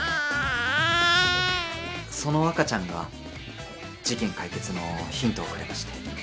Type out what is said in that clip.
・その赤ちゃんが事件解決のヒントをくれまして。